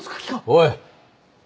おい！